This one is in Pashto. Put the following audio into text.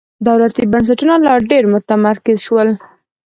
دولتي بنسټونه لا ډېر متمرکز شول.